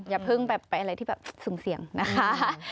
อย่าเพิ่งไปอะไรที่สูงเสี่ยงนะคะ